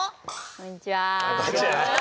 こんにちは。